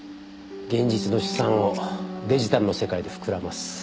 現実の資産をデジタルの世界で膨らます。